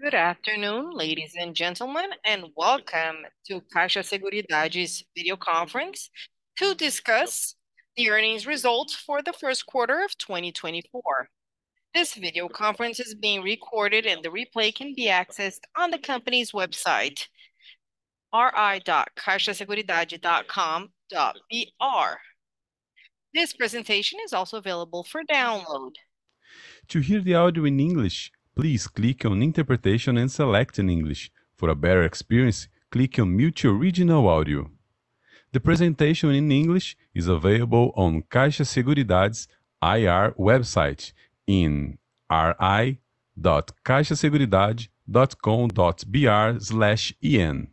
Good afternoon, ladies and gentlemen, and welcome to Caixa Seguridade's Video Conference to discuss the Earnings Results for the First Quarter of 2024. This video conference is being recorded, and the replay can be accessed on the company's website, ri.caixaseguridade.com.br. This presentation is also available for download. To hear the audio in English, please click on Interpretation and select English. For a better experience, click on Mute Your Original Audio. The presentation in English is available on Caixa Seguridade's IR website in ri.caixaseguridade.com.br/en.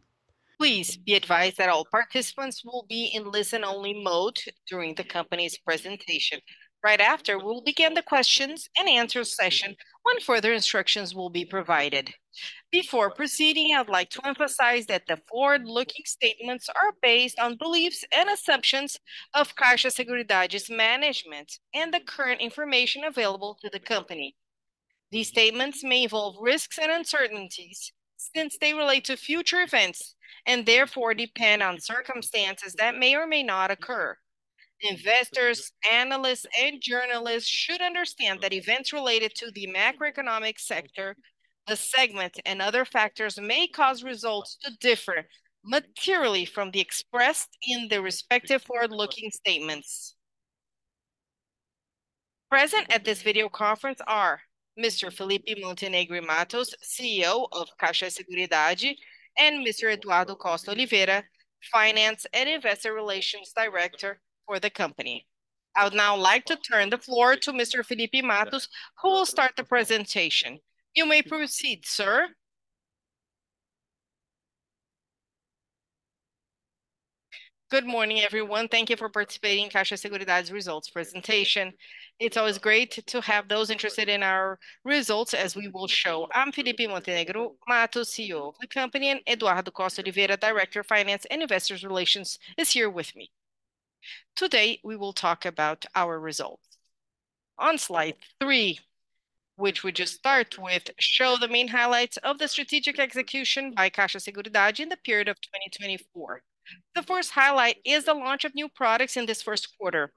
Please be advised that all participants will be in listen-only mode during the company's presentation. Right after, we'll begin the questions and answer session when further instructions will be provided. Before proceeding, I'd like to emphasize that the forward-looking statements are based on beliefs and assumptions of CAIXA Seguridade's management and the current information available to the company. These statements may involve risks and uncertainties, since they relate to future events and therefore depend on circumstances that may or may not occur. Investors, analysts, and journalists should understand that events related to the macroeconomic sector, the segment, and other factors may cause results to differ materially from those expressed in the respective forward-looking statements. Present at this video conference are Mr. Felipe Montenegro Mattos, CEO of CAIXA Seguridade, and Mr. Eduardo Costa Oliveira, Finance and Investor Relations Director for the company. I would now like to turn the floor to Mr. Felipe Montenegro Mattos, who will start the presentation. You may proceed, sir. Good morning, everyone. Thank you for participating in CAIXA Seguridade's results presentation. It's always great to have those interested in our results, as we will show. I'm Felipe Montenegro Mattos, CEO of the company, and Eduardo Costa Oliveira, Director of Finance and Investor Relations, is here with me. Today, we will talk about our results. On slide three, which we just start with, show the main highlights of the strategic execution by CAIXA Seguridade in the period of 2024. The first highlight is the launch of new products in this first quarter.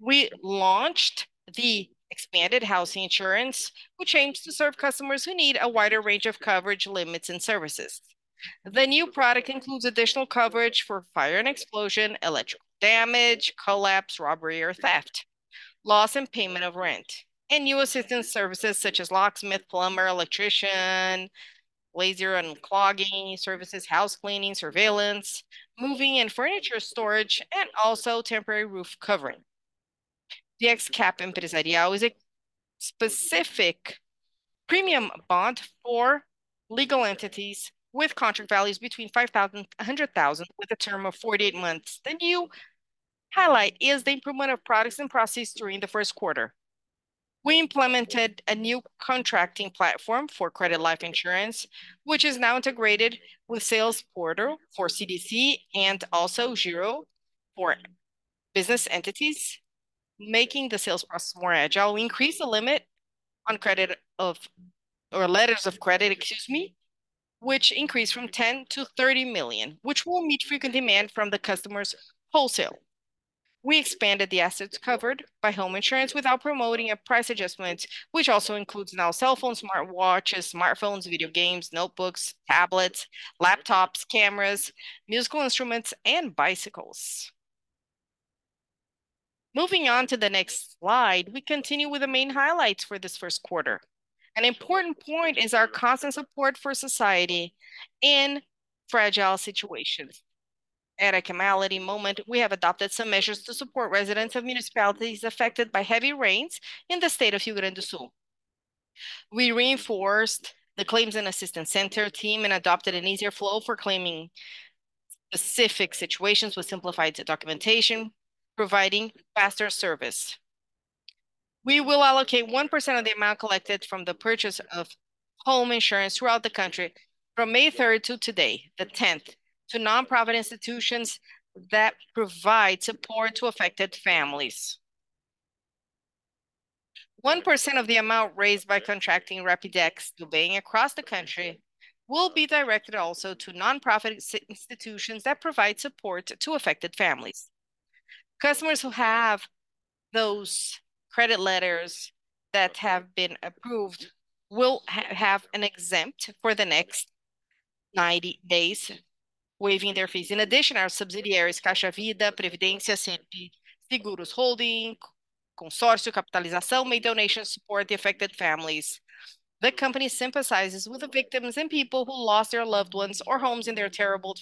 We launched the expanded housing insurance, which aims to serve customers who need a wider range of coverage, limits, and services. The new product includes additional coverage for fire and explosion, electrical damage, collapse, robbery or theft, loss and payment of rent, and new assistance services such as locksmith, plumber, electrician, laser, unclogging services, house cleaning, surveillance, moving and furniture storage, and also temporary roof covering. The X Cap Empresarial is a specific premium bond for legal entities with contract values between 5,000 and 100,000, with a term of 48 months. The new highlight is the improvement of products and processes during the first quarter. We implemented a new contracting platform for credit life insurance, which is now integrated with sales portal for CDC and also Giro for business entities, making the sales process more agile. We increased the limit on credit of, or letters of credit, excuse me, which increased from 10 million to 30 million, which will meet frequent demand from the customers wholesale. We expanded the assets covered by home insurance without promoting a price adjustment, which also includes now cell phones, smartwatches, smartphones, video games, notebooks, tablets, laptops, cameras, musical instruments, and bicycles. Moving on to the next slide, we continue with the main highlights for this first quarter. An important point is our constant support for society in fragile situations. At a humanity moment, we have adopted some measures to support residents of municipalities affected by heavy rains in the state of Rio Grande do Sul. We reinforced the Claims and Assistance Center team and adopted an easier flow for claiming specific situations with simplified documentation, providing faster service. We will allocate 1% of the amount collected from the purchase of home insurance throughout the country from May third to today, the tenth, to nonprofit institutions that provide support to affected families. 1% of the amount raised by contracting Rapidex, surveying across the country, will be directed also to nonprofit institutions that provide support to affected families. Customers who have those credit letters that have been approved will have an exemption for the next 90 days, waiving their fees. In addition, our subsidiaries, Caixa Vida e Previdência S.A., CNP Seguros Holding S.A., Caixa Consórcios, Caixa Capitalização, made donations to support the affected families. The company sympathizes with the victims and people who lost their loved ones or homes in their terrible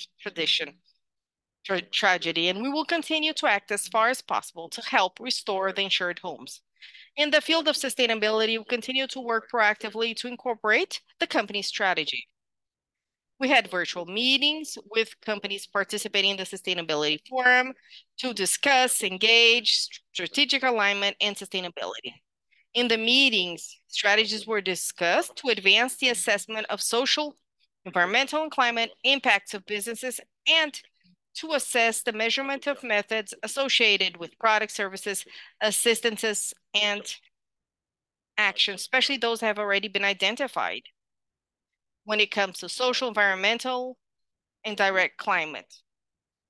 tragedy, and we will continue to act as far as possible to help restore the insured homes. In the field of sustainability, we continue to work proactively to incorporate the company's strategy. We had virtual meetings with companies participating in the sustainability forum to discuss, engage strategic alignment and sustainability. In the meetings, strategies were discussed to advance the assessment of social, environmental and climate impacts of businesses, and to assess the measurement of methods associated with product services, assistances, and actions, especially those that have already been identified when it comes to social, environmental, and direct climate.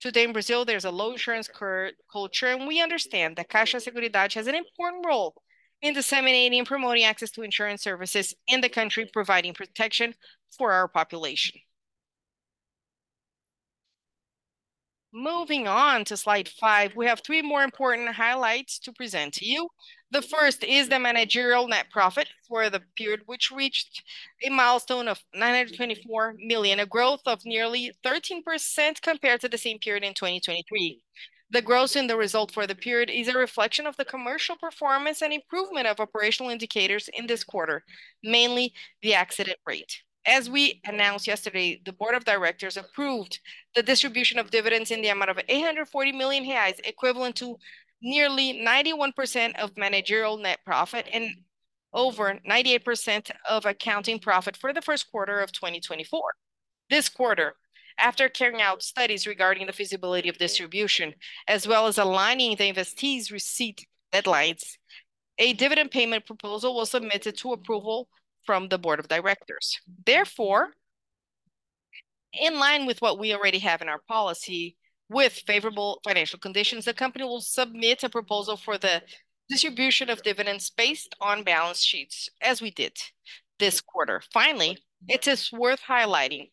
Today in Brazil, there's a low insurance culture, and we understand that Caixa Seguridade has an important role in disseminating and promoting access to insurance services in the country, providing protection for our population. Moving on to slide 5, we have three more important highlights to present to you. The first is the managerial net profit for the period, which reached a milestone of 924 million, a growth of nearly 13% compared to the same period in 2023. The growth in the result for the period is a reflection of the commercial performance and improvement of operational indicators in this quarter, mainly the accident rate. As we announced yesterday, the board of directors approved the distribution of dividends in the amount of 840 million reais, equivalent to nearly 91% of managerial net profit and over 98% of accounting profit for the first quarter of 2024. This quarter, after carrying out studies regarding the feasibility of distribution, as well as aligning the investees' receipt deadlines, a dividend payment proposal was submitted to approval from the board of directors. Therefore, in line with what we already have in our policy with favorable financial conditions, the company will submit a proposal for the distribution of dividends based on balance sheets, as we did this quarter. Finally, it is worth highlighting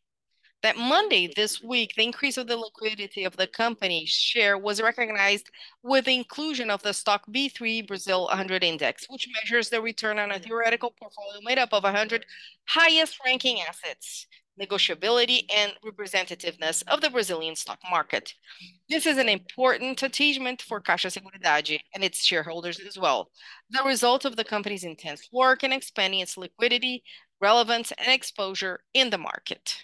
that Monday, this week, the increase of the liquidity of the company's share was recognized with the inclusion of the stock in the B3 Brasil 100 index, which measures the return on a theoretical portfolio made up of 100 highest-ranking assets, negotiability, and representativeness of the Brazilian stock market. This is an important achievement for Caixa Seguridade and its shareholders as well, the result of the company's intense work in expanding its liquidity, relevance, and exposure in the market.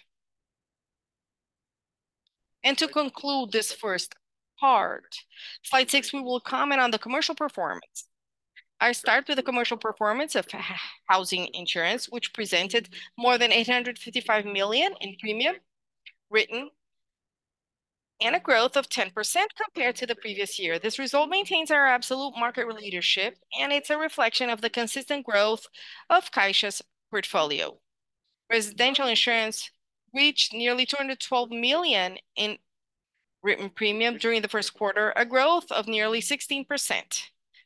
To conclude this first part, slide six, we will comment on the commercial performance. I start with the commercial performance of housing insurance, which presented more than 855 million in premium written, and a growth of 10% compared to the previous year. This result maintains our absolute market leadership, and it's a reflection of the consistent growth of Caixa's portfolio. Residential insurance reached nearly 212 million in written premium during the first quarter, a growth of nearly 16%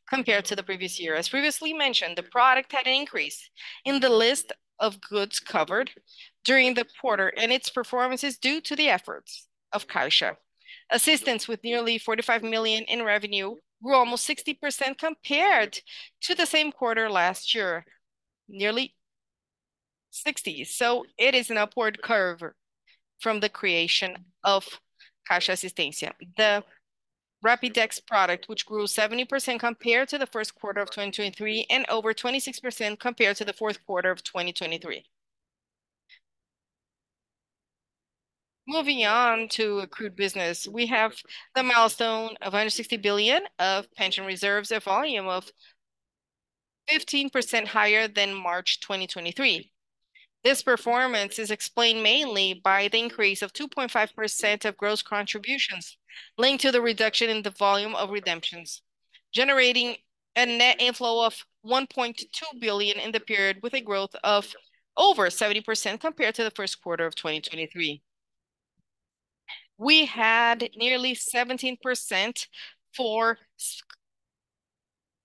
compared to the previous year. As previously mentioned, the product had an increase in the list of goods covered during the quarter, and its performance is due to the efforts of Caixa Assistência, with nearly 45 million in revenue, grew almost 60% compared to the same quarter last year, nearly 60. It is an upward curve from the creation of Caixa Assistência. The Rapidex product, which grew 70% compared to the first quarter of 2023, and over 26% compared to the fourth quarter of 2023. Moving on to accrued business, we have the milestone of 160 billion of pension reserves, a volume of 15% higher than March 2023. This performance is explained mainly by the increase of 2.5% of gross contributions, linked to the reduction in the volume of redemptions, generating a net inflow of 1.2 billion in the period, with a growth of over 70% compared to the first quarter of 2023. We had nearly 17% for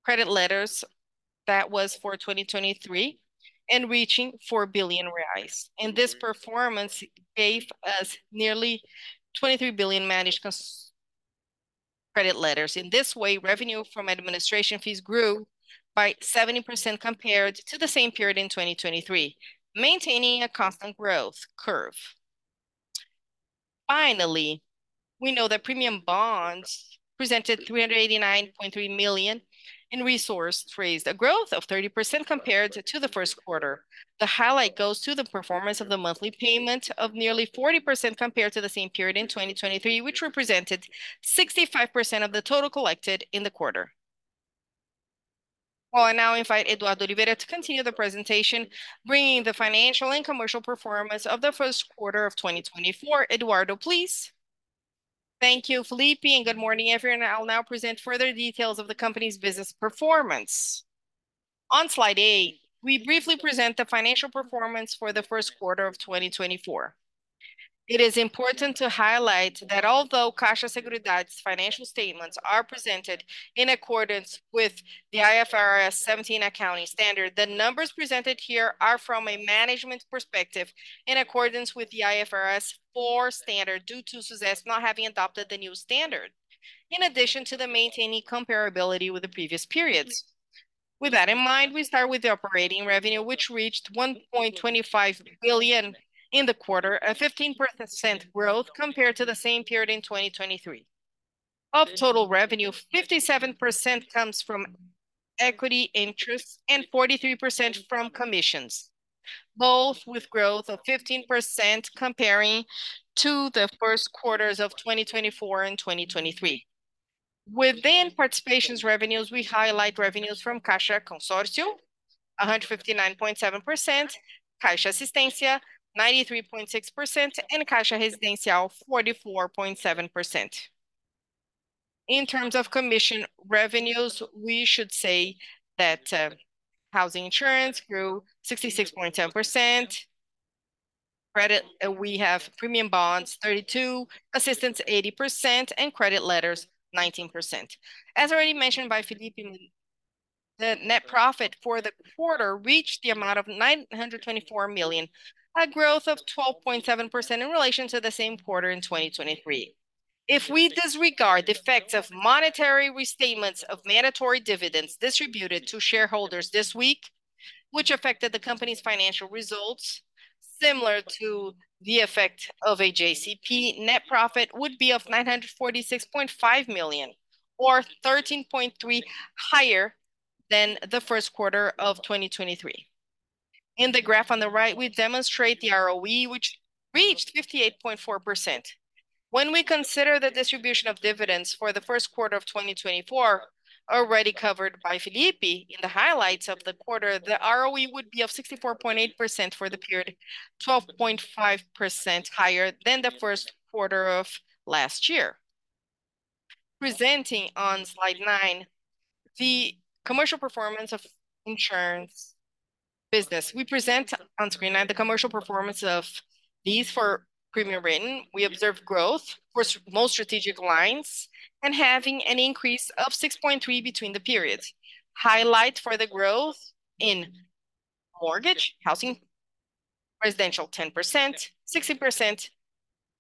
credit letters. That was for 2023, and reaching 4 billion reais, and this performance gave us nearly 23 billion managed credit letters. In this way, revenue from administration fees grew by 70% compared to the same period in 2023, maintaining a constant growth curve. Finally, we know that premium bonds presented 389.3 million in resources raised, a growth of 30% compared to the first quarter. The highlight goes to the performance of the monthly payment of nearly 40% compared to the same period in 2023, which represented 65% of the total collected in the quarter. Well, I now invite Eduardo Costa Oliveira to continue the presentation, bringing the financial and commercial performance of the first quarter of 2024. Eduardo, please. Thank you, Felipe, and good morning, everyone. I'll now present further details of the company's business performance. On slide eight, we briefly present the financial performance for the first quarter of 2024. It is important to highlight that although CAIXA Seguridade's financial statements are presented in accordance with the IFRS 17 accounting standard, the numbers presented here are from a management perspective, in accordance with the IFRS 4 standard, due to SUSEP not having adopted the new standard, in addition to maintaining comparability with the previous periods. With that in mind, we start with the operating revenue, which reached 1.25 billion in the quarter, a 15% growth compared to the same period in 2023. Of total revenue, 57% comes from equity interest and 43% from commissions, both with growth of 15% comparing to the first quarters of 2024 and 2023. Within participation's revenues, we highlight revenues from Caixa Consórcios, 159.7%, Caixa Assistência, 93.6%, and Caixa Residencial, 44.7%. In terms of commission revenues, we should say that housing insurance grew 66.10%. Credit, we have premium bonds, 32, assistance, 80%, and credit letters, 19%. As already mentioned by Felipe, the net profit for the quarter reached the amount of 924 million, a growth of 12.7% in relation to the same quarter in 2023. If we disregard the effects of monetary restatements of mandatory dividends distributed to shareholders this week, which affected the company's financial results, similar to the effect of JCP, net profit would be of 946.5 million or 13.3% higher than the first quarter of 2023. In the graph on the right, we demonstrate the ROE, which reached 58.4%. When we consider the distribution of dividends for the first quarter of 2024, already covered by Felipe in the highlights of the quarter, the ROE would be of 64.8% for the period, 12.5% higher than the first quarter of last year. Presenting on slide nine, the commercial performance of insurance business. We present on screen nine the commercial performance of these for premium written. We observed growth for our most strategic lines, and having an increase of 6.3 between the periods. Highlight for the growth in mortgage, housing, residential, 10%, 60%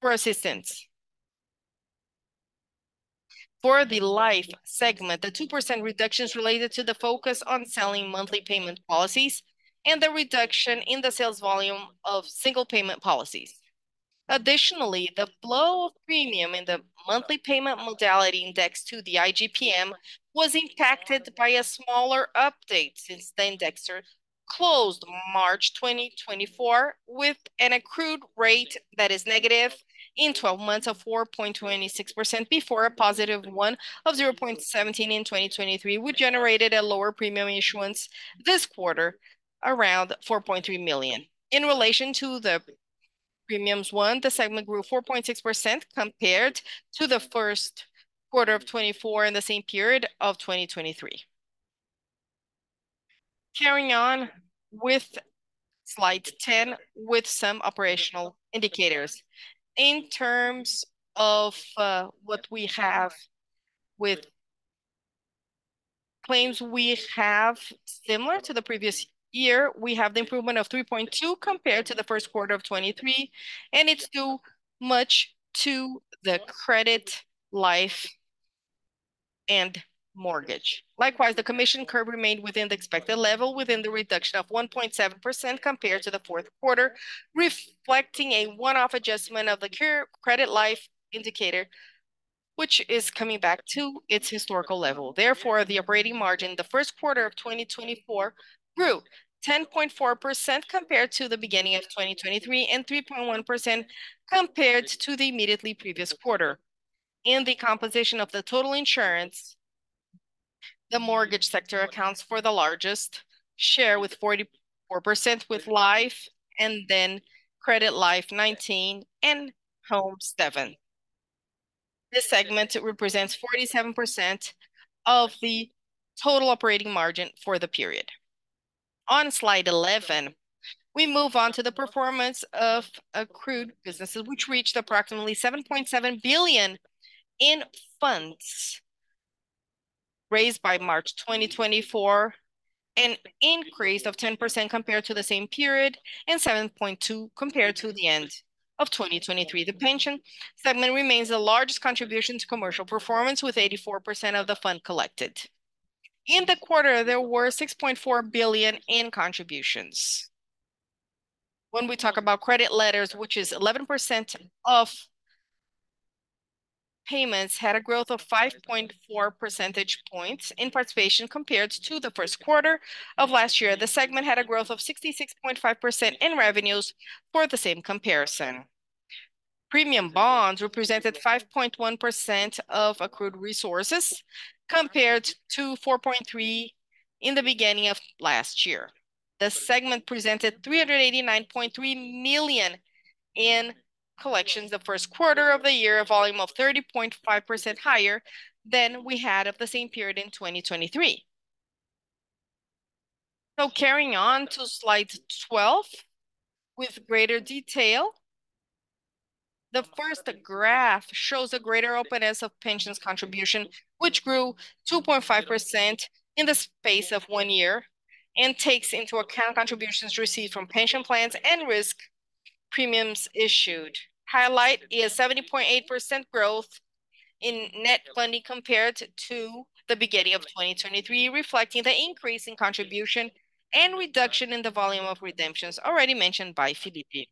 for assistance. For the life segment, the 2% reduction is related to the focus on selling monthly payment policies and the reduction in the sales volume of single payment policies. Additionally, the flow of premium in the monthly payment modality index to the IGP-M was impacted by a smaller update since the indexer closed March 2024 with an accrued rate that is -4.26% in 12 months before a positive 0.17% in 2023, which generated a lower premium issuance this quarter, around 4.3 million. In relation to the premiums won, the segment grew 4.6% compared to the first quarter of 2024 in the same period of 2023. Carrying on with slide 10, with some operational indicators. In terms of what we have with claims, we have, similar to the previous year, we have the improvement of 3.2 compared to the first quarter of 2023, and it's due much to the credit, life, and mortgage. Likewise, the commission curve remained within the expected level, within the reduction of 1.7% compared to the fourth quarter, reflecting a one-off adjustment of the credit life indicator, which is coming back to its historical level. Therefore, the operating margin in the first quarter of 2024 grew 10.4% compared to the beginning of 2023, and 3.1% compared to the immediately previous quarter. In the composition of the total insurance, the mortgage sector accounts for the largest share, with 44% with life, and then credit life, 19%, and home, 7%. This segment, it represents 47% of the total operating margin for the period. On slide 11, we move on to the performance of accrued businesses, which reached approximately 7.7 billion in funds raised by March 2024, an increase of 10% compared to the same period, and 7.2% compared to the end of 2023. The pension segment remains the largest contribution to commercial performance, with 84% of the fund collected. In the quarter, there were 6.4 billion in contributions. When we talk about credit letters, which is 11% of payments, had a growth of 5.4 percentage points in participation compared to the first quarter of last year. The segment had a growth of 66.5% in revenues for the same comparison. Premium bonds represented 5.1% of accrued resources, compared to 4.3% in the beginning of last year. The segment presented 389.3 million in collections the first quarter of the year, a volume of 30.5% higher than we had of the same period in 2023. So carrying on to slide 12 with greater detail, the first graph shows a greater openness of pensions contribution, which grew 2.5% in the space of one year, and takes into account contributions received from pension plans and risk premiums issued. Highlight is 70.8% growth in net funding compared to the beginning of 2023, reflecting the increase in contribution and reduction in the volume of redemptions already mentioned by Felipe.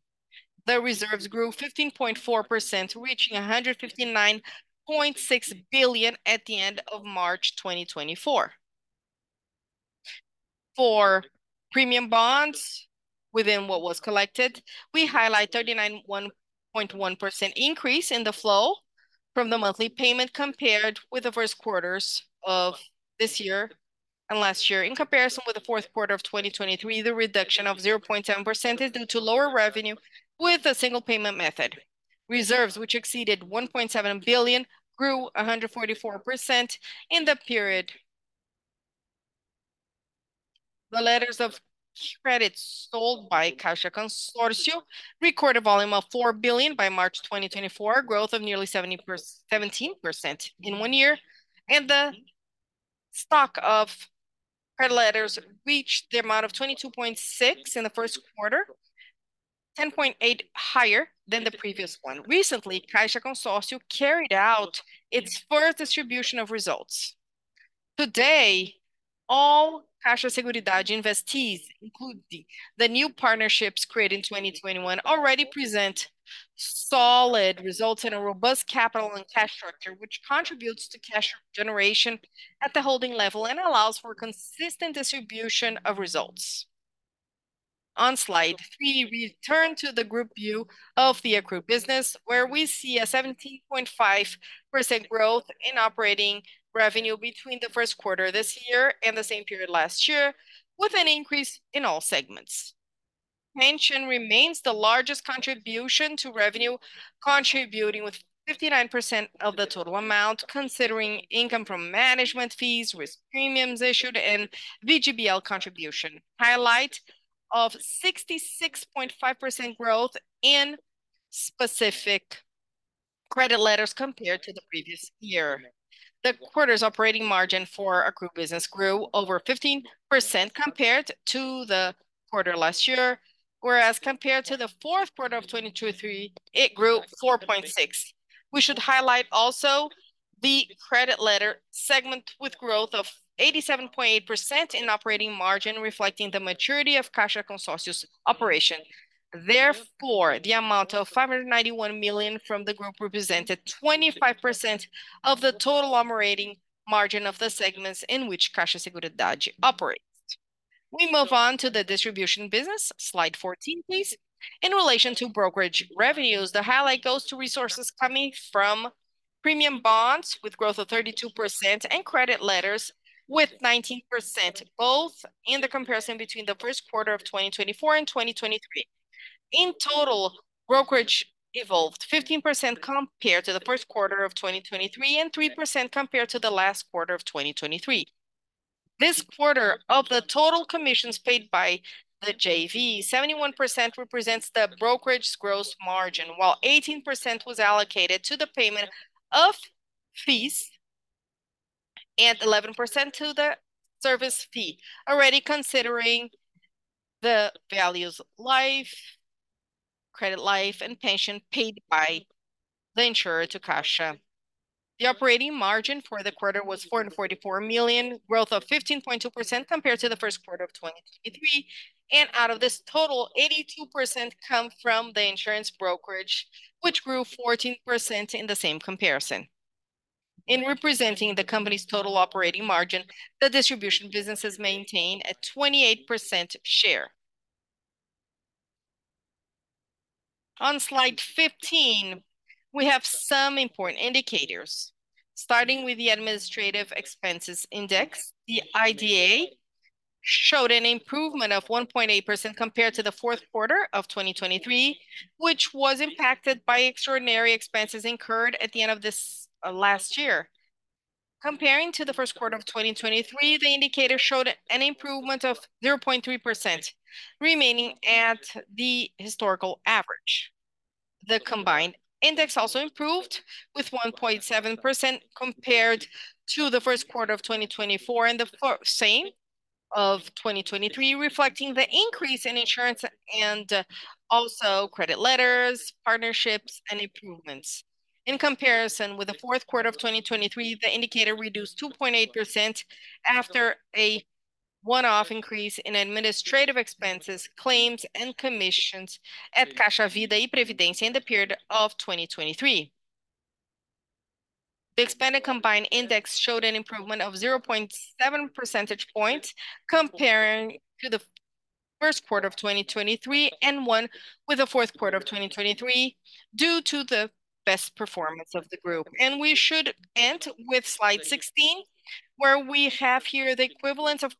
The reserves grew 15.4%, reaching 159.6 billion at the end of March 2024. For premium bonds within what was collected, we highlight 39.1% increase in the flow from the monthly payment compared with the first quarters of this year and last year. In comparison with the fourth quarter of 2023, the reduction of 0.7% is due to lower revenue with a single payment method. Reserves, which exceeded 1.7 billion, grew 144% in the period. The letters of credit sold by Caixa Consórcios recorded a volume of 4 billion by March 2024, growth of nearly 70%-17% in one year, and the stock of credit letters reached the amount of 22.6 billion in the first quarter, 10.8 higher than the previous one. Recently, Caixa Consórcios carried out its first distribution of results. Today, all CAIXA Seguridade investees, including the new partnerships created in 2021, already present solid results and a robust capital and cash structure, which contributes to cash generation at the holding level and allows for consistent distribution of results. On slide three, we return to the group view of the accrued business, where we see a 17.5% growth in operating revenue between the first quarter this year and the same period last year, with an increase in all segments. Pension remains the largest contribution to revenue, contributing with 59% of the total amount, considering income from management fees, risk premiums issued, and VGBL contribution. Highlight of 66.5% growth in specific credit letters compared to the previous year. The quarter's operating margin for accrued business grew over 15% compared to the quarter last year, whereas compared to the fourth quarter of 2023, it grew 4.6%. We should highlight also the credit letter segment with growth of 87.8% in operating margin, reflecting the maturity of Caixa Consórcios's operation. Therefore, the amount of 591 million from the group represented 25% of the total operating margin of the segments in which Caixa Seguridade operates. We move on to the distribution business, slide 14, please. In relation to brokerage revenues, the highlight goes to resources coming from premium bonds, with growth of 32%, and credit letters with 19%, both in the comparison between the first quarter of 2024 and 2023. In total, brokerage evolved 15% compared to the first quarter of 2023, and 3% compared to the last quarter of 2023. This quarter, of the total commissions paid by the JV, 71% represents the brokerage's gross margin, while 18% was allocated to the payment of fees and 11% to the service fee. Already considering the values of life, credit life, and pension paid by the insurer to Caixa, the operating margin for the quarter was 444 million, growth of 15.2% compared to the first quarter of 2023, and out of this total, 82% come from the insurance brokerage, which grew 14% in the same comparison. In representing the company's total operating margin, the distribution businesses maintain a 28% share. On slide 15, we have some important indicators. Starting with the Administrative Expenses Index, the IDA, showed an improvement of 1.8% compared to the fourth quarter of 2023, which was impacted by extraordinary expenses incurred at the end of this last year. Comparing to the first quarter of 2023, the indicator showed an improvement of 0.3%, remaining at the historical average. The combined index also improved with 1.7% compared to the first quarter of 2024, and the fourth same of 2023, reflecting the increase in insurance and also credit letters, partnerships, and improvements. In comparison with the fourth quarter of 2023, the indicator reduced 2.8% after a one-off increase in administrative expenses, claims, and commissions at Caixa Vida e Previdência in the period of 2023. The expanded combined index showed an improvement of 0.7 percentage points comparing to the first quarter of 2023, and one with the fourth quarter of 2023, due to the best performance of the group. We should end with slide 16, where we have here the equivalent of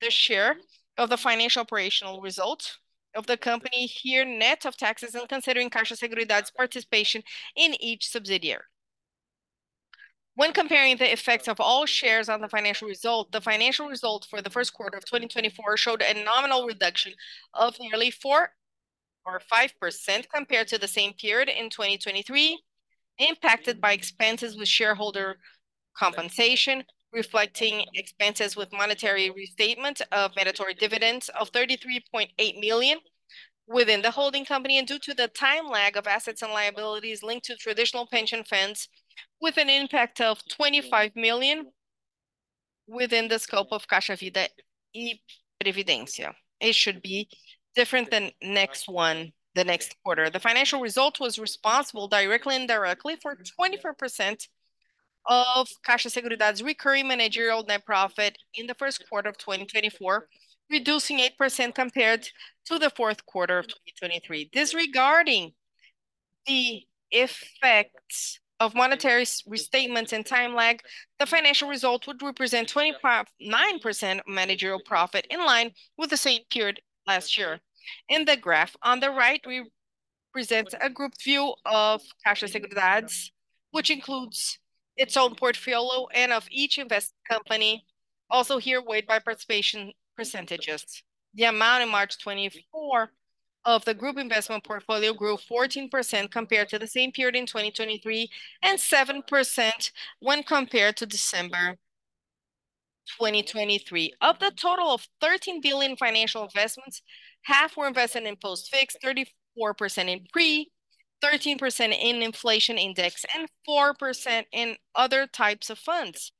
the share of the financial operational results of the company here, net of taxes, and considering Caixa Seguridade's participation in each subsidiary. When comparing the effects of all shares on the financial result, the financial result for the first quarter of 2024 showed a nominal reduction of nearly 4%-5% compared to the same period in 2023, impacted by expenses with shareholder compensation, reflecting expenses with monetary restatement of mandatory dividends of 33.8 million within the holding company, and due to the time lag of assets and liabilities linked to traditional pension funds, with an impact of 25 million within the scope of Caixa Vida e Previdência. It should be different than next one, the next quarter. The financial result was responsible, directly and indirectly, for 24% of Caixa Seguridade's recurring managerial net profit in the first quarter of 2024, reducing 8% compared to the fourth quarter of 2023. Disregarding the effects of monetary restatements and time lag, the financial result would represent 25.9% managerial profit, in line with the same period last year. In the graph on the right, we present a group view of Caixa Seguridade's, which includes its own portfolio and of each invest company, also here weighted by participation percentages. The amount in March 2024 of the group investment portfolio grew 14% compared to the same period in 2023, and 7% when compared to December 2023. Of the total of 13 billion financial investments, half were invested in post-fixed, 34% in pre, 13% in inflation index, and 4% in other types of funds.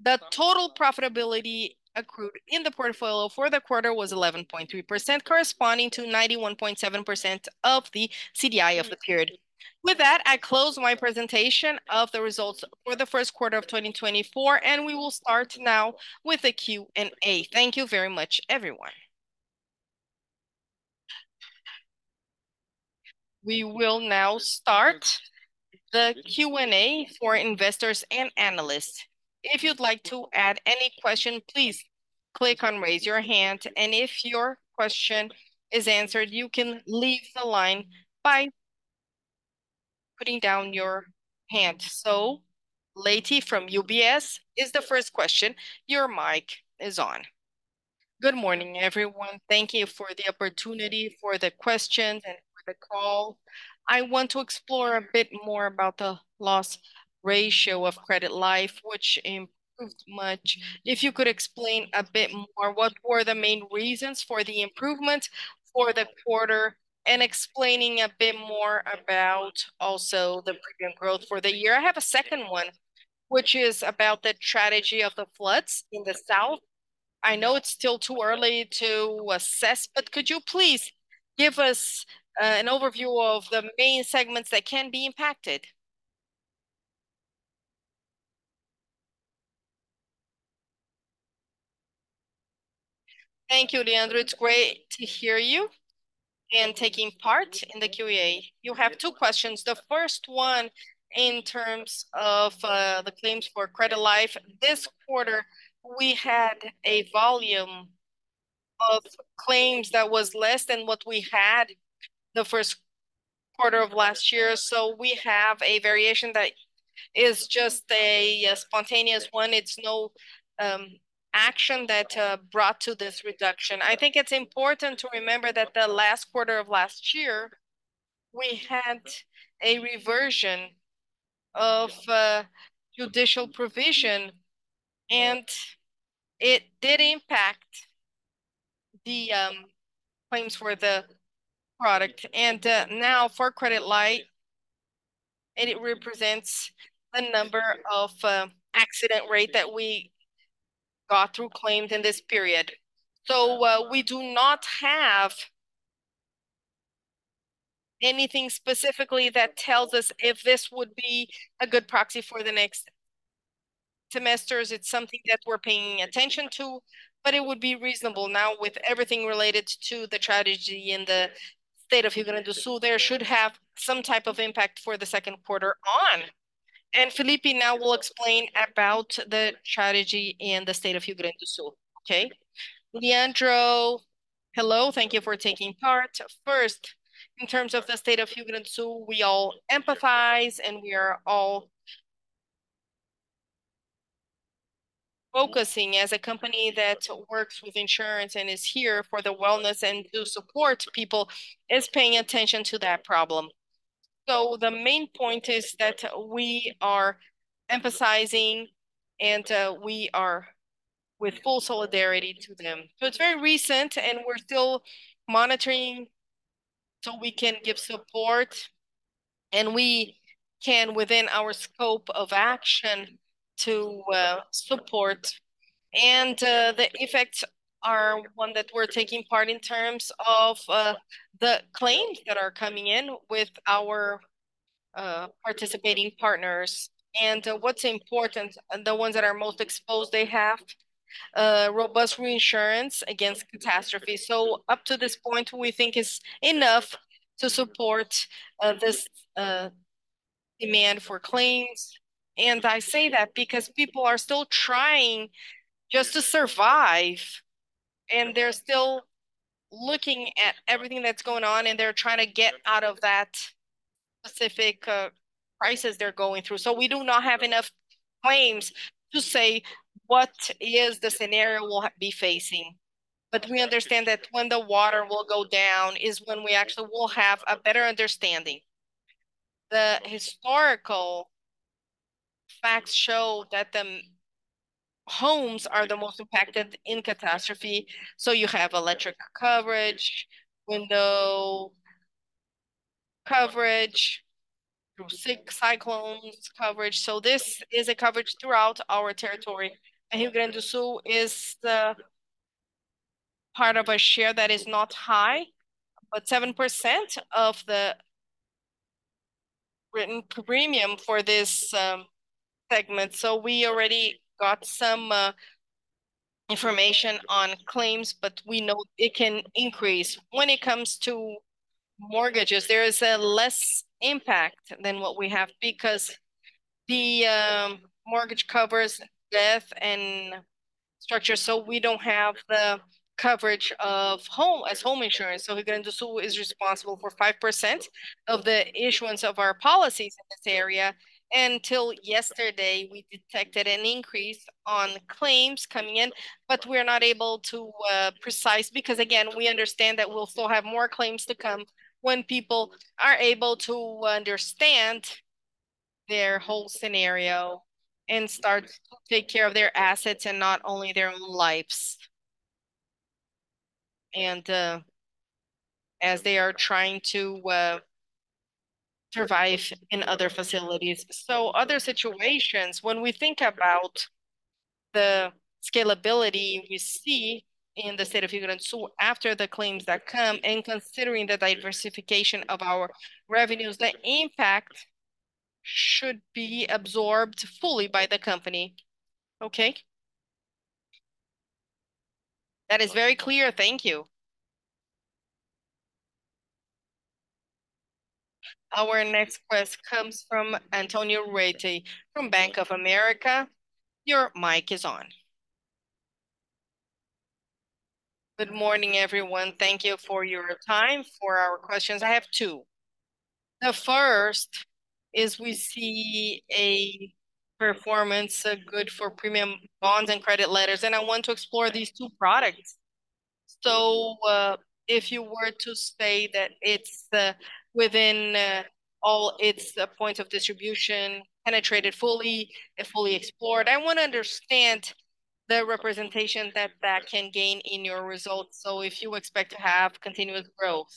The total profitability accrued in the portfolio for the quarter was 11.3%, corresponding to 91.7% of the CDI of the period. With that, I close my presentation of the results for the first quarter of 2024, and we will start now with a Q&A. Thank you very much, everyone. We will now start the Q&A for investors and analysts. If you'd like to add any question, please click on Raise Your Hand, and if your question is answered, you can leave the line by putting down your hand. So, Leandro Leite from UBS is the first question. Your mic is on. Good morning, everyone. Thank you for the opportunity for the questions and for the call. I want to explore a bit more about the loss ratio of credit life, which improved much. If you could explain a bit more, what were the main reasons for the improvement for the quarter, and explaining a bit more about also the premium growth for the year? I have a second one, which is about the tragedy of the floods in the south. I know it's still too early to assess, but could you please give us an overview of the main segments that can be impacted? Thank you, Leandro. It's great to hear you, and taking part in the Q&A. You have two questions. The first one, in terms of the claims for credit life, this quarter we had a volume of claims that was less than what we had the first quarter of last year, so we have a variation that is just a spontaneous one. It's no action that brought to this reduction. I think it's important to remember that the last quarter of last year we had a reversion of judicial provision, and it did impact the claims for the product. Now for credit life, and it represents a number of accident rate that we got through claims in this period. So, we do not have anything specifically that tells us if this would be a good proxy for the next semesters. It's something that we're paying attention to, but it would be reasonable now with everything related to the tragedy in the state of Rio Grande do Sul; there should have some type of impact for the second quarter on. And Felipe now will explain about the tragedy in the state of Rio Grande do Sul. Okay? Leandro, hello, thank you for taking part. First, in terms of the state of Rio Grande do Sul, we all empathize, and we are all focusing as a company that works with insurance and is here for the wellness and to support people, is paying attention to that problem. So the main point is that we are emphasizing and, we are with full solidarity to them. So it's very recent, and we're still monitoring so we can give support, and we can, within our scope of action, to, support. And, the effects are one that we're taking part in terms of, the claims that are coming in with our, participating partners. And, what's important, the ones that are most exposed, they have, robust reinsurance against catastrophe. So up to this point, we think it's enough to support, this, demand for claims. And I say that because people are still trying just to survive, and they're still looking at everything that's going on, and they're trying to get out of that specific, crisis they're going through. So we do not have enough claims to say what is the scenario we'll have to be facing, but we understand that when the water will go down is when we actually will have a better understanding. The historical facts show that the homes are the most impacted in catastrophe, so you have electric coverage, window coverage, through cyclones coverage, so this is a coverage throughout our territory. And Rio Grande do Sul is part of a share that is not high, but 7% of the written premium for this segment. So we already got some information on claims, but we know it can increase. When it comes to mortgages, there is less impact than what we have, because the mortgage covers death and structure, so we don't have the coverage of home as home insurance. So Rio Grande do Sul is responsible for 5% of the issuance of our policies in this area. Until yesterday, we detected an increase on claims coming in, but we're not able to precisely, because, again, we understand that we'll still have more claims to come when people are able to understand their whole scenario and start to take care of their assets and not only their own lives, and as they are trying to survive in other facilities. So other situations, when we think about the scalability we see in the state of Rio Grande do Sul after the claims that come, and considering the diversification of our revenues, the impact should be absorbed fully by the company. Okay? That is very clear, thank you. Our next question comes from Antonio Reti from Bank of America. Your mic is on. Good morning, everyone. Thank you for your time. For our questions, I have two. The first is we see a performance, good for premium bonds and credit letters, and I want to explore these two products. So, if you were to say that it's within all its points of distribution, penetrated fully and fully explored, I wanna understand the representation that that can gain in your results, so if you expect to have continuous growth.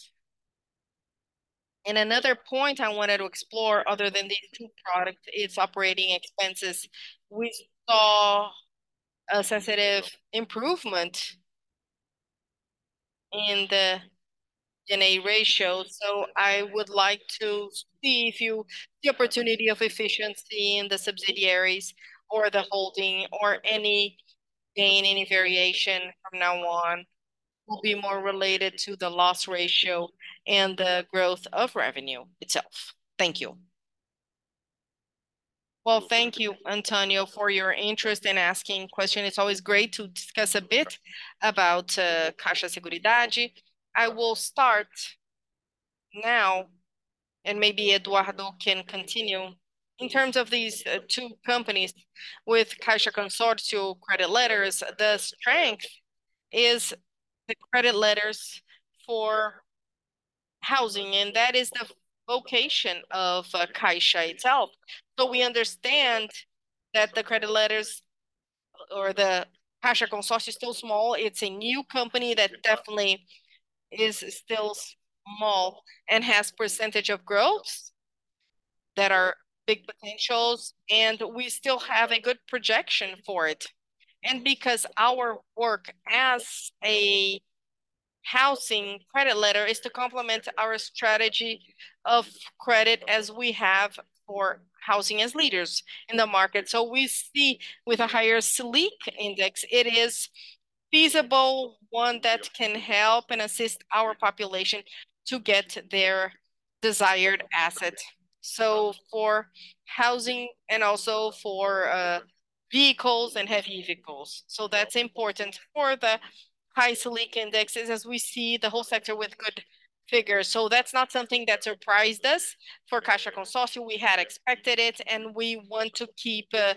And another point I wanted to explore, other than these two products, is operating expenses. We saw a sensitive improvement in the GNA ratio, so I would like to see if you, the opportunity of efficiency in the subsidiaries or the holding, or any gain, any variation from now on, will be more related to the loss ratio and the growth of revenue itself. Thank you. Well, thank you, Antonio, for your interest in asking question. It's always great to discuss a bit about Caixa Seguridade. I will start now, and maybe Eduardo can continue. In terms of these two companies, with Caixa Consórcios credit letters, the strength is the credit letters for housing, and that is the vocation of Caixa itself. But we understand that the credit letters or the Caixa Consórcios is still small. It's a new company that definitely is still small and has percentage of growths that are big potentials, and we still have a good projection for it. And because our work as a housing credit letter is to complement our strategy of credit as we have for housing as leaders in the market. So we see with a higher Selic index, it is feasible, one that can help and assist our population to get their desired asset, so for housing and also for vehicles and heavy vehicles. So that's important for the high Selic indexes, as we see the whole sector with good figures. So that's not something that surprised us for Caixa Consórcios. We had expected it, and we want to keep the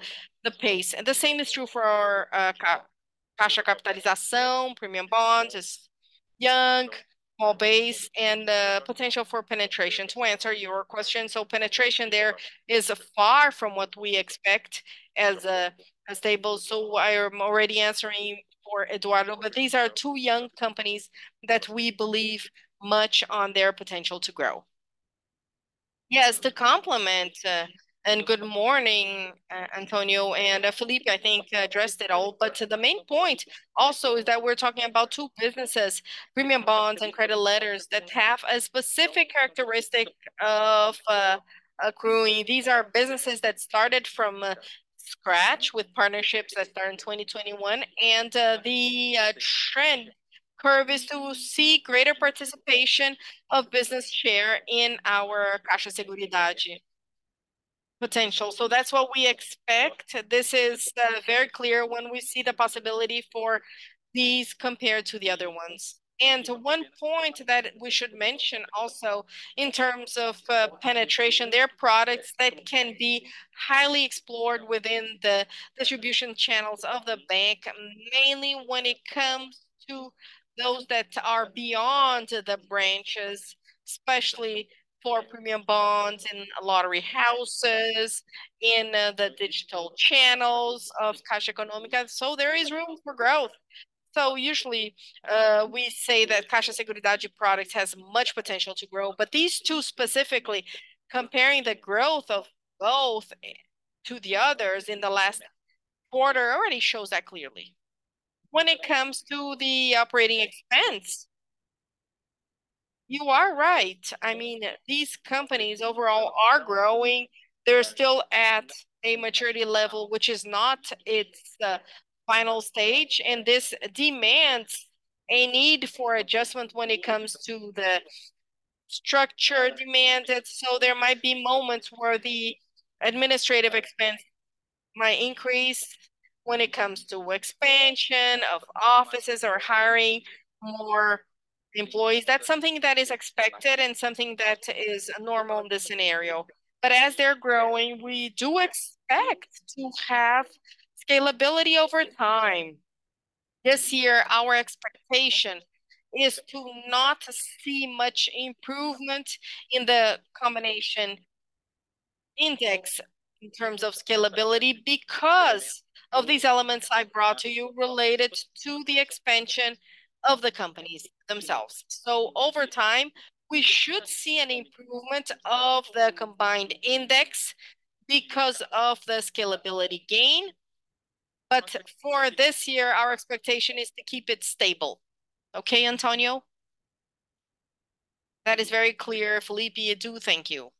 pace. And the same is true for our Caixa Capitalização premium bonds. It's young, small base, and potential for penetration, to answer your question. So penetration there is far from what we expect as a stable. So I am already answering for Eduardo, but these are two young companies that we believe much on their potential to grow. Yes, to complement. Good morning, Antonio, and, Felipe, I think, addressed it all. But, the main point also is that we're talking about two businesses, premium bonds and credit letters, that have a specific characteristic of, growing. These are businesses that started from, scratch with partnerships that started in 2021, and, the, trend curve is to see greater participation of business share in our Caixa Seguridade potential. So that's what we expect. This is, very clear when we see the possibility for these compared to the other ones. One point that we should mention also in terms of penetration, they're products that can be highly explored within the distribution channels of the bank, mainly when it comes to those that are beyond the branches, especially for premium bonds, in lottery houses, in the digital channels of Caixa Econômica, so there is room for growth. Usually, we say that Caixa Seguridade product has much potential to grow, but these two specifically, comparing the growth of both, to the others in the last quarter already shows that clearly. When it comes to the operating expense, you are right. I mean, these companies overall are growing. They're still at a maturity level, which is not its final stage, and this demands a need for adjustment when it comes to the structure demands, and so there might be moments where the administrative expense might increase when it comes to expansion of offices or hiring more employees. That's something that is expected and something that is normal in this scenario. But as they're growing, we do expect to have scalability over time. This year, our expectation is to not see much improvement in the combination index in terms of scalability because of these elements I brought to you related to the expansion of the companies themselves. So over time, we should see an improvement of the combined index because of the scalability gain, but for this year, our expectation is to keep it stable. Okay, Antonio? That is very clear, Felipe. I do thank you.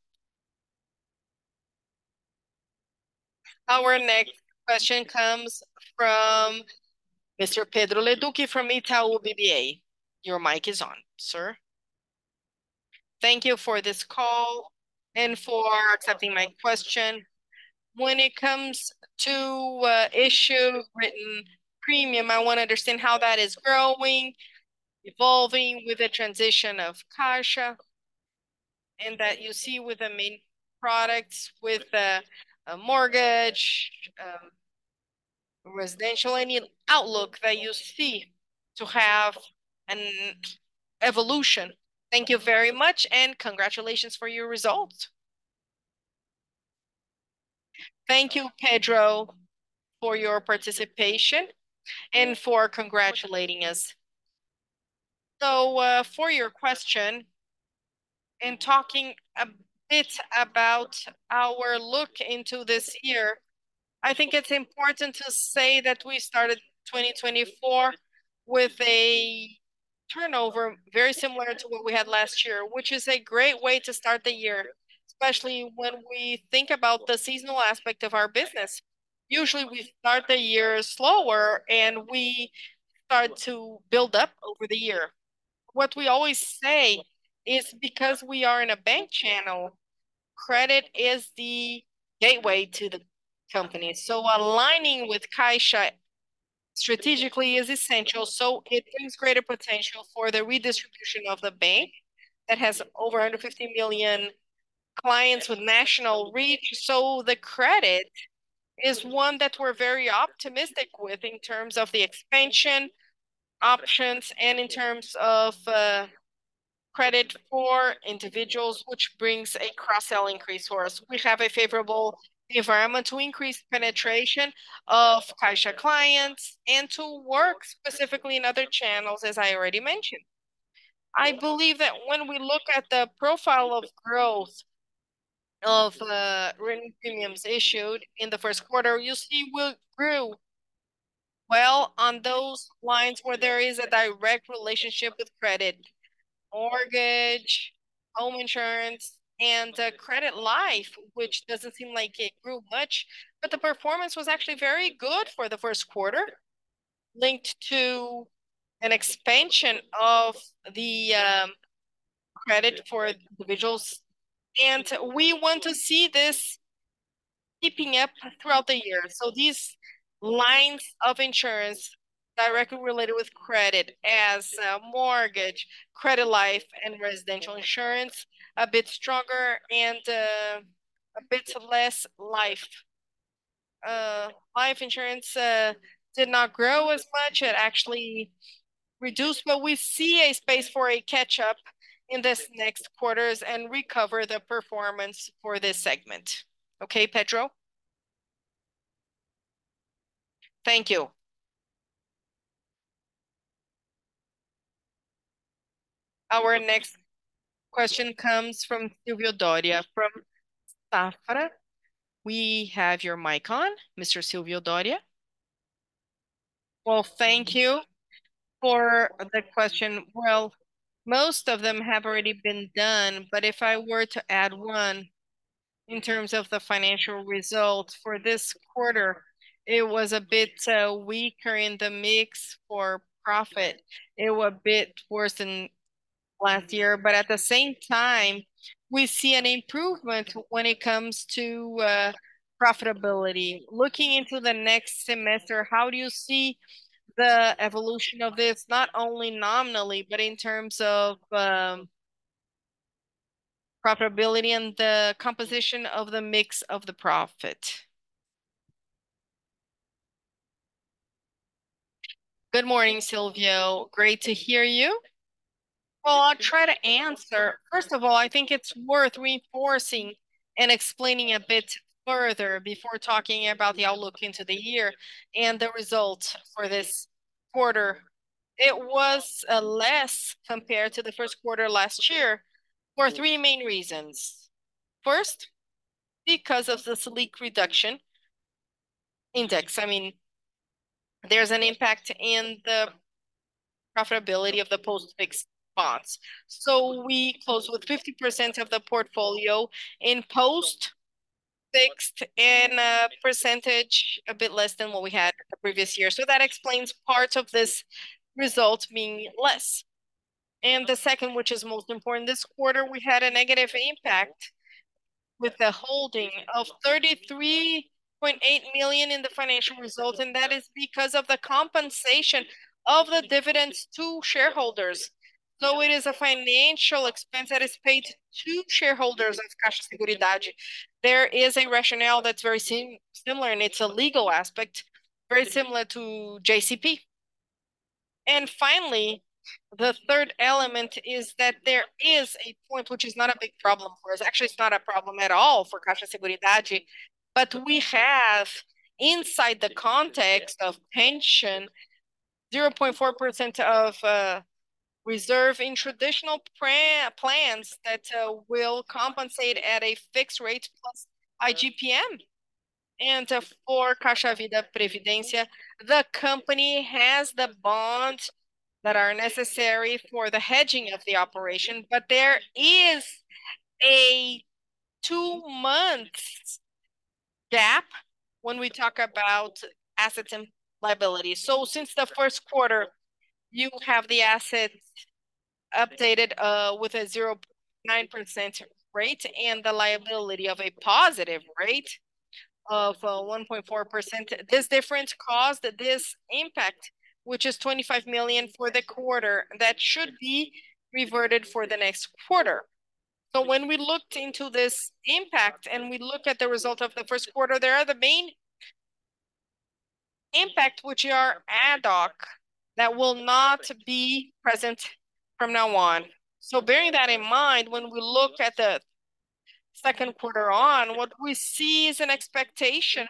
Our next question comes from Mr. Pedro Leduc from Itaú BBA. Your mic is on, sir. Thank you for this call and for accepting my question. When it comes to issued written premium, I want to understand how that is growing, evolving with the transition of Caixa, and that you see with the main products, with a mortgage, residential, any outlook that you see to have an evolution. Thank you very much, and congratulations for your results. Thank you, Pedro, for your participation and for congratulating us. So, for your question, in talking a bit about our outlook for this year, I think it's important to say that we started 2024 with a turnover very similar to what we had last year, which is a great way to start the year, especially when we think about the seasonal aspect of our business. Usually, we start the year slower, and we start to build up over the year. What we always say is because we are in a bank channel, credit is the gateway to the company. So aligning with Caixa strategically is essential, so it gives greater potential for the redistribution of the bank that has over 150 million clients with national reach. So the credit is one that we're very optimistic with in terms of the expansion options and in terms of credit for individuals, which brings a cross-sell increase for us. We have a favorable environment to increase penetration of Caixa clients and to work specifically in other channels, as I already mentioned. I believe that when we look at the profile of growth of written premiums issued in the first quarter, you'll see we grew well on those lines where there is a direct relationship with credit: mortgage, home insurance, and credit life, which doesn't seem like it grew much, but the performance was actually very good for the first quarter, linked to an expansion of the credit for individuals. And we want to see this keeping up throughout the year. So these lines of insurance directly related with credit as mortgage, credit life, and residential insurance, a bit stronger and a bit less life. Life insurance did not grow as much. It actually reduced, but we see a space for a catch-up in this next quarters and recover the performance for this segment. Okay, Pedro? Thank you. Our next question comes from Silvio Doria, from Safra. We have your mic on, Mr. Silvio Doria. Well, thank you for the question. Well, most of them have already been done, but if I were to add one, in terms of the financial results for this quarter, it was a bit, weaker in the mix for profit. It was a bit worse than last year, but at the same time, we see an improvement when it comes to, profitability. Looking into the next semester, how do you see the evolution of this, not only nominally, but in terms of, profitability and the composition of the mix of the profit? Good morning, Silvio. Great to hear you. Well, I'll try to answer. First of all, I think it's worth reinforcing and explaining a bit further before talking about the outlook into the year and the results for this quarter. It was less compared to the first quarter last year. For three main reasons: first, because of the Selic reduction index. I mean, there's an impact in the profitability of the post-fixed bonds. So we close with 50% of the portfolio in post-fixed, and percentage a bit less than what we had the previous year. So that explains parts of this result being less. And the second, which is most important, this quarter we had a negative impact with the holding of 33.8 million in the financial results, and that is because of the compensation of the dividends to shareholders. So it is a financial expense that is paid to shareholders of Caixa Seguridade. There is a rationale that's very similar, and it's a legal aspect very similar to JCP. And finally, the third element is that there is a point which is not a big problem for us. Actually, it's not a problem at all for Caixa Seguridade, but we have, inside the context of pension, 0.4% of reserve in traditional plans that will compensate at a fixed rate plus IGPM. And for Caixa Vida e Previdência, the company has the bonds that are necessary for the hedging of the operation, but there is a two month gap when we talk about assets and liabilities. So since the first quarter, you have the assets updated with a 0.9% rate, and the liability of a positive rate of 1.4%. This difference caused this impact, which is 25 million for the quarter, that should be reverted for the next quarter. So when we looked into this impact, and we look at the result of the first quarter, there are the main impact, which are ad hoc, that will not be present from now on. So bearing that in mind, when we look at the second quarter on, what we see is an expectation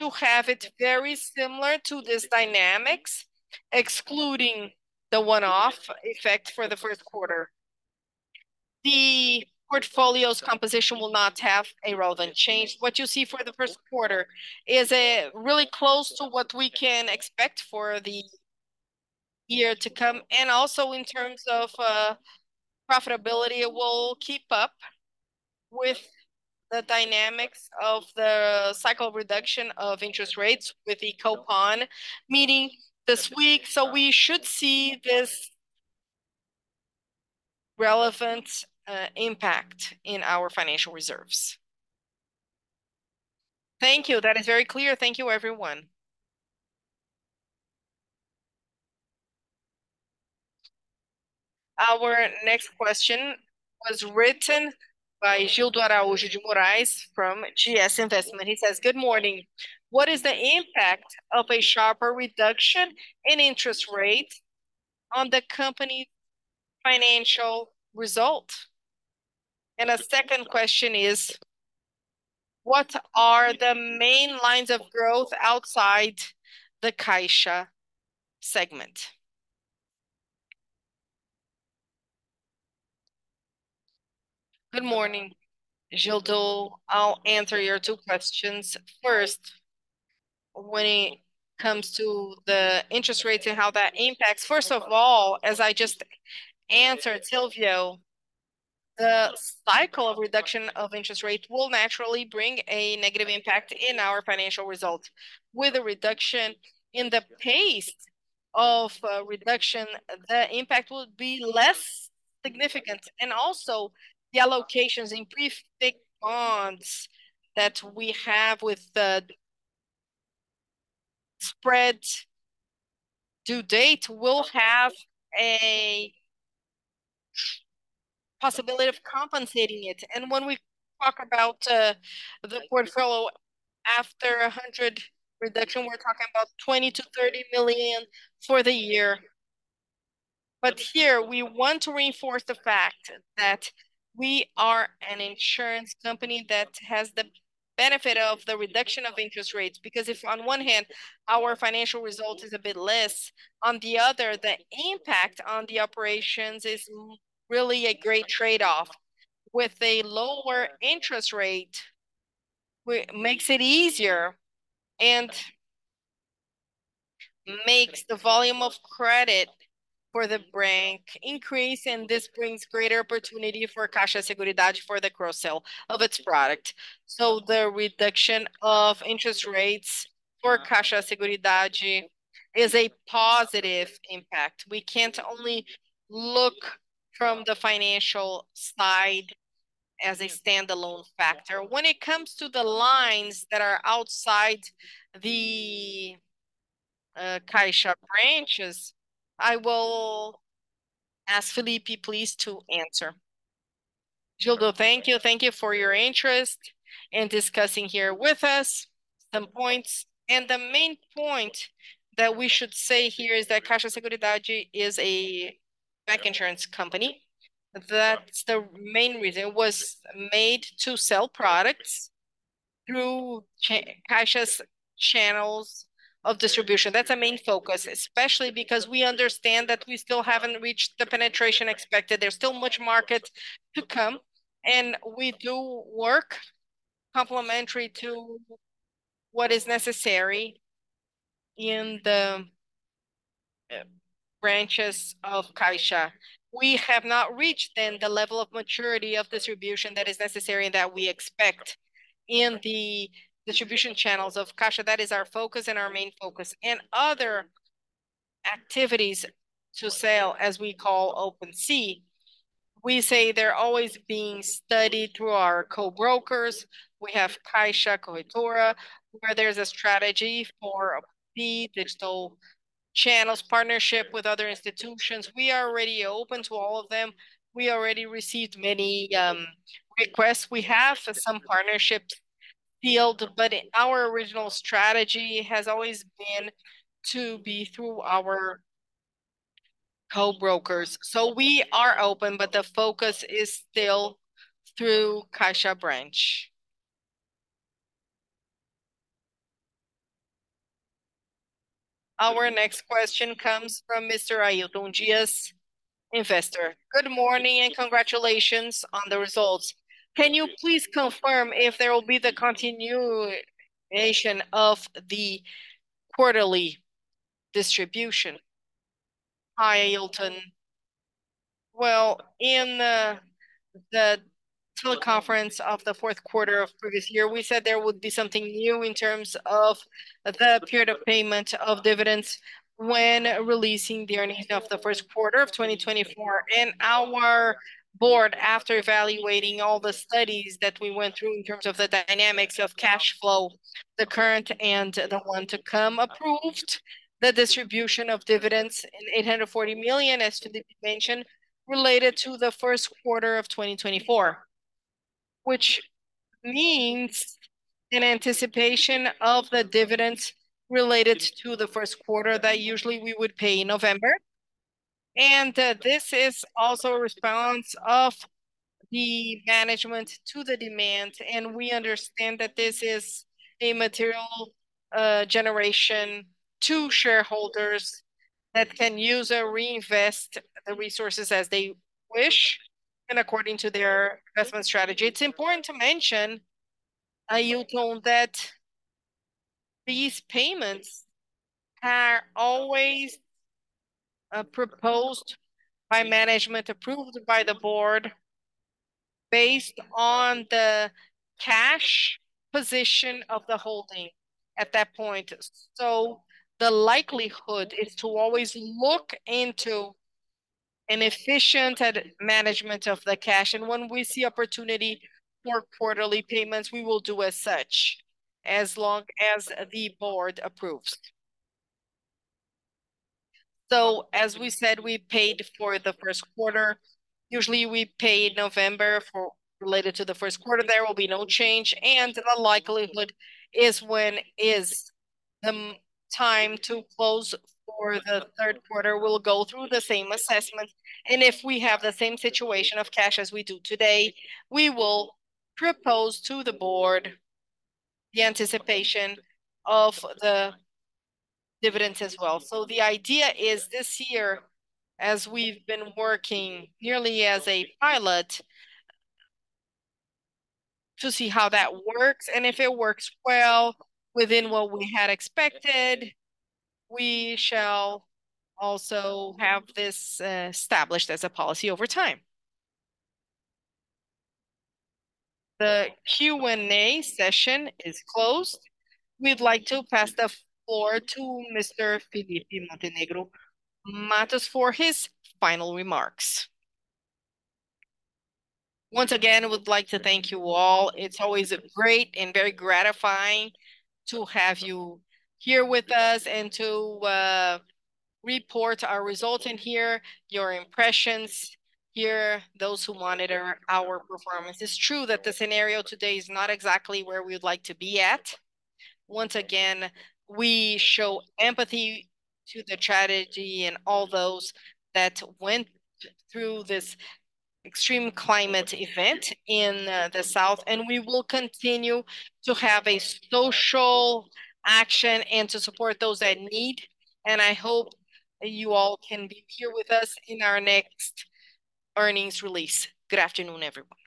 to have it very similar to this dynamics, excluding the one-off effect for the first quarter. The portfolio's composition will not have a relevant change. What you see for the first quarter is really close to what we can expect for the year to come. And also, in terms of profitability, it will keep up with the dynamics of the cycle reduction of interest rates with the Copom meeting this week. So we should see this relevant impact in our financial reserves. Thank you. That is very clear. Thank you, everyone. Our next question was written by Gildo Araujo de Moraes from GS Investment. He says, "Good morning. What is the impact of a sharper reduction in interest rate on the company financial result?" And a second question is, "What are the main lines of growth outside the Caixa segment?" Good morning, Gildo. I'll answer your two questions. First, when it comes to the interest rates and how that impacts, first of all, as I just answered Silvio, the cycle of reduction of interest rate will naturally bring a negative impact in our financial results. With a reduction in the pace of, reduction, the impact will be less significant, and also the allocations in pre-fixed bonds that we have with the spread to date will have a possibility of compensating it. When we talk about the portfolio after 100 reduction, we're talking about 20-30 million for the year. But here we want to reinforce the fact that we are an insurance company that has the benefit of the reduction of interest rates, because if on one hand, our financial result is a bit less, on the other, the impact on the operations is really a great trade-off. With a lower interest rate, we makes it easier, and makes the volume of credit for the bank increase, and this brings greater opportunity for CAIXA Seguridade for the cross-sell of its product. So the reduction of interest rates for CAIXA Seguridade is a positive impact. We can't only look from the financial side as a standalone factor. When it comes to the lines that are outside the CAIXA branches, I will ask Felipe please to answer. Gildo, thank you. Thank you for your interest in discussing here with us some points. The main point that we should say here is that Caixa Seguridade is a bank insurance company. That's the main reason. It was made to sell products through Caixa's channels of distribution. That's our main focus, especially because we understand that we still haven't reached the penetration expected. There's still much market to come, and we do work complementary to what is necessary in the branches of Caixa. We have not reached then the level of maturity of distribution that is necessary, that we expect in the distribution channels of Caixa. That is our focus and our main focus. Other activities to sell, as we call Open Sea, we say they're always being studied through our co-brokers. We have Caixa Corretora, where there's a strategy for the digital channels, partnership with other institutions. We are already open to all of them. We already received many requests. We have some partnerships sealed, but our original strategy has always been to be through our co-brokers. So we are open, but the focus is still through Caixa branch. Our next question comes from Mr. Ailton Dias, investor. "Good morning, and congratulations on the results. Can you please confirm if there will be the continuation of the quarterly distribution?" Hi, Ailton. Well, in the teleconference of the fourth quarter of previous year, we said there would be something new in terms of the period of payment of dividends when releasing the earnings of the first quarter of 2024. And our board, after evaluating all the studies that we went through in terms of the dynamics of cash flow, the current and the one to come, approved the distribution of dividends in 840 million, as Felipe mentioned, related to the first quarter of 2024, which means in anticipation of the dividends related to the first quarter that usually we would pay in November. This is also a response of the management to the demand, and we understand that this is a material generation to shareholders that can use or reinvest the resources as they wish, and according to their investment strategy. It's important to mention, Ailton, that these payments are always proposed by management, approved by the board, based on the cash position of the holding at that point. So the likelihood is to always look into an efficient management of the cash, and when we see opportunity for quarterly payments, we will do as such, as long as the board approves. So as we said, we paid for the first quarter. Usually we pay in November for, related to the first quarter, there will be no change, and the likelihood is when is the time to close for the third quarter, we'll go through the same assessment, and if we have the same situation of cash as we do today, we will propose to the board the anticipation of the dividends as well. So the idea is, this year, as we've been working nearly as a pilot, to see how that works, and if it works well within what we had expected, we shall also have this, established as a policy over time. The Q&A session is closed. We'd like to pass the floor to Mr. Felipe Montenegro Mattos for his final remarks. Once again, I would like to thank you all. It's always a great and very gratifying to have you here with us, and to report our results here, your impressions here, those who monitor our performance. It's true that the scenario today is not exactly where we'd like to be at. Once again, we show empathy to the tragedy and all those that went through this extreme climate event in the south, and we will continue to have a social action and to support those that need. I hope you all can be here with us in our next earnings release. Good afternoon, everyone.